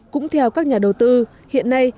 cũng theo các nhà đầu tư hiện nay